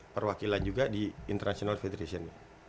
perwakilan juga di international federation